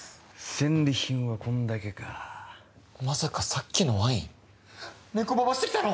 戦利品はこんだけかまさかさっきのワインネコババしてきたの！？